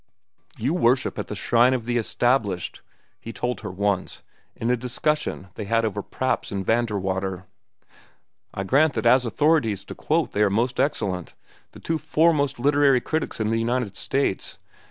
"You worship at the shrine of the established," he told her once, in a discussion they had over Praps and Vanderwater. "I grant that as authorities to quote they are most excellent—the two foremost literary critics in the United States.